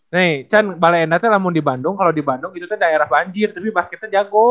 nih balenda tuh namun di bandung kalo di bandung itu tuh daerah banjir tapi basketnya jago